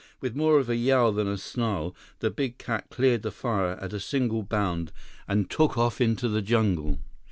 With more of a yowl than a snarl, the big cat cleared the fire at a single bound and took off into the jungle.